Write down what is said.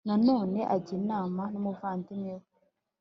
Nanone ajya inama numuvandimwe we